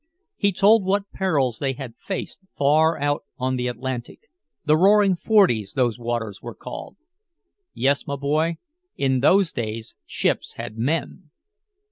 He told what perils they had faced far out on the Atlantic "the Roaring Forties" those waters were called! "Yes, boy, in those days ships had men!"